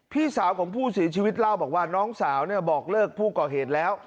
พี่สาวของผู้เสียชีวิตเล่าบอกว่าน้องสาวบอกเลิกผู้ก่อเหตุแล้ว